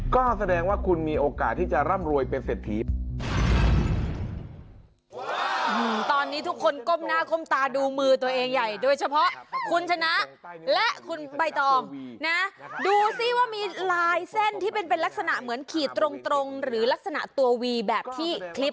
ก็แสดงว่าคุณมีโอกาสที่จะร่ำรวยเป็นเศรษฐี